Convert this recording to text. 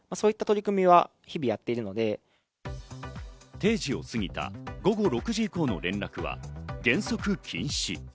定時を過ぎた午後６時以降の連絡は原則禁止。